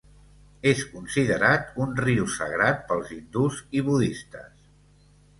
És considerat un riu sagrat pels hindús i budistes.